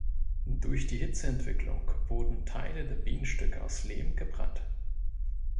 Durch die Hitzeentwicklung wurden Teile der Bienenstöcke aus Lehm gebrannt.